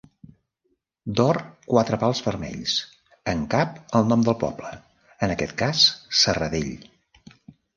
D'or, quatre pals vermells; en cap, el nom del poble, en aquest cas, Serradell.